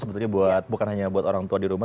sebetulnya buat bukan hanya buat orang tua di rumah